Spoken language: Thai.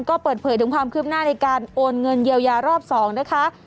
ก็เปิดเผยถึงความคืบหน้าในการโอนเงินเยียวยารอบ๒นะคะ